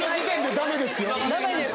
ダメですよ。